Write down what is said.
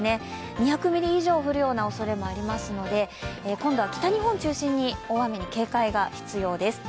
２００ミリ以上降るようなおそれもありますので今度は北日本中心に大雨に警戒が必要です。